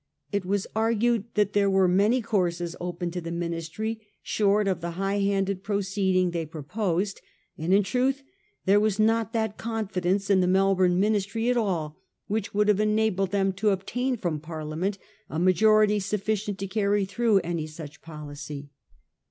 It was argued that there were many courses open to the Ministry short of the high handed proceeding they proposed; and in truth there was not that confidence in the Melbourne Ministry at all which would have enabled them to obtain from Parliament a majority sufficient to carry through such a policy.